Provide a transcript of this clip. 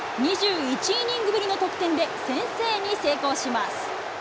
２１イニングぶりの得点で、先制に成功します。